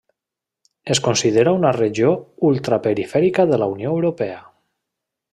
Es considera una regió ultraperifèrica de la Unió Europea.